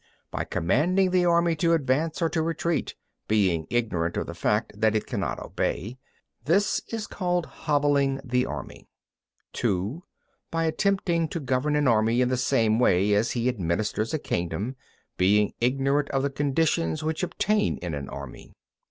(1) By commanding the army to advance or to retreat, being ignorant of the fact that it cannot obey. This is called hobbling the army. 14. (2) By attempting to govern an army in the same way as he administers a kingdom, being ignorant of the conditions which obtain in an army.